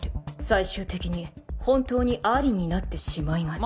最終的に本当に「あり」になってしまいがち